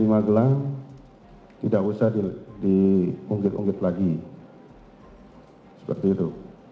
di magelang tidak usah diungkit ungkit lagi seperti itu